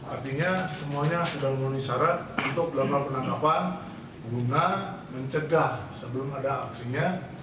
artinya semuanya sudah menunisarat untuk belakang penangkapan guna mencegah sebelum ada aksinya